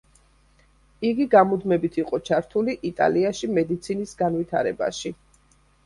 იგი გამუდმებით იყო ჩართული იტალიაში მედიცინის განვითარებაში.